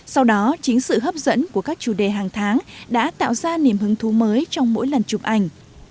sau đó chính sự hấp dẫn của các chủ đề hàng tháng đã tạo ra niềm hứng thú mới trong mỗi lần chụp ảnh